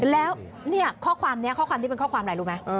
แล้วเนี่ยข้อความนี้เป็นข้อความอะไรรู้มั้ย